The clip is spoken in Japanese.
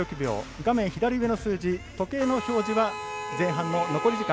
画面左上の数字、時計の表示は前半の残り時間。